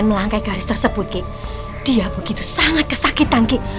saya sudah bawa orang pintar kemari